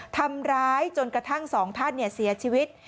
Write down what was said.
ทำร้ายจนกระทั่งสองท่านเสียชีวิต